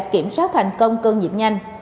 kiểm soát thành công cơn dịp nhanh